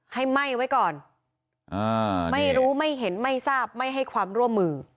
ไหม้ไว้ก่อนไม่รู้ไม่เห็นไม่ทราบไม่ให้ความร่วมมือ